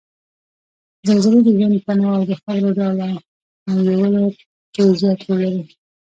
زلزلې د ژوند تنوع او د خاورو ډول او نويولو کې زیات رول لري